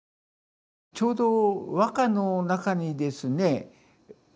ちょうど和歌の中にですね